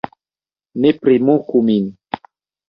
Ne primoku min